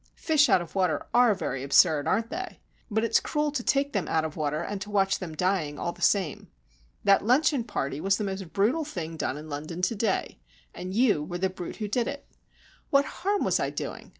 Fish out of water are very absurd, aren't they? But it's cruel to take them out of water and to watch them dying, all the same. That luncheon party was the most brutal thing done in London to day, and you were the brute who did it. What harm was I doing?